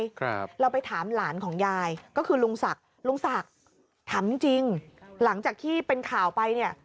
ครับเราไปถามหลานของยายก็คือลุงศักดิ์ลุงศักดิ์ถามจริงจริงหลังจากที่เป็นข่าวไปเนี่ย